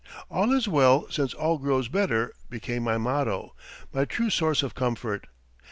"All is well since all grows better" became my motto, my true source of comfort.